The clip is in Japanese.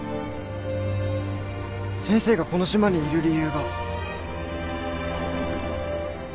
先生がこの島にいる理由が。